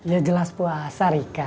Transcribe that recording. ya jelas puasa rika